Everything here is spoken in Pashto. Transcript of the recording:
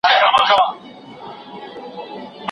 هم پر شمع، هم پانوس باندي ماښام سو